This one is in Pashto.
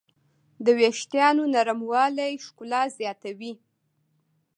د وېښتیانو نرموالی ښکلا زیاتوي.